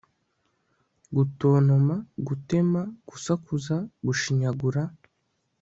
Gutontoma gutema gusakuza gushinyagura